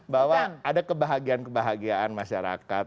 bahwa ada kebahagiaan kebahagiaan masyarakat